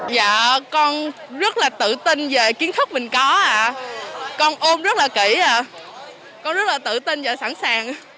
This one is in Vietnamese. dạ con rất là tự tin về kiến thức mình có con ôm rất là kỹ con rất là tự tin và sẵn sàng